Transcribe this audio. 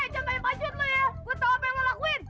gue tau apa yang lo lakuin